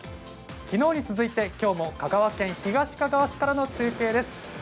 きのうに続いてきょうも香川県東かがわ市からの中継です。